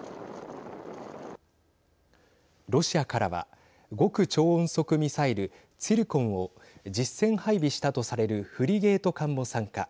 ロシアからは極超音速ミサイルツィルコンを実戦配備したとされるフリゲート艦も参加。